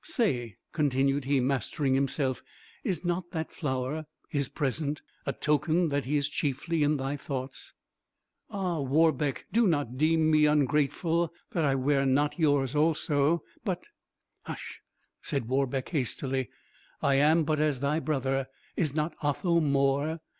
"Say," continued he, mastering himself; "is not that flower (his present) a token that he is chiefly in thy thoughts?" "Ah, Warbeck! do not deem me ungrateful that I wear not yours also: but " "Hush;" said Warbeck, hastily; "I am but as thy brother; is not Otho more?